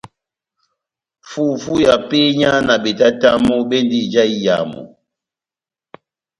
Fufu ya penya na betatamu bendi ija iyamu.